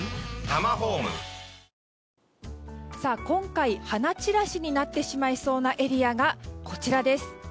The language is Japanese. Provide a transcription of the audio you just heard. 今回花散らしになってしまいそうなエリアがこちら。